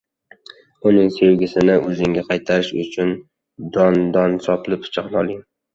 Uning sevgisini oʻzingizga qaytarish uchun dandonsopli pichoqni oling